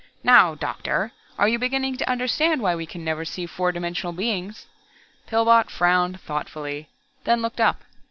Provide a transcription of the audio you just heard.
Now, Doctor, are you beginning to understand why we can never see four dimensional beings?" Pillbot frowned thoughtfully, then looked up.